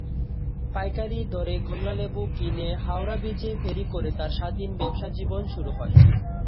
পাইকারি দরে কমলালেবু কিনে হাওড়া ব্রিজে ফেরি করে তাঁর স্বাধীন ব্যবসাজীবন শুরু হয়।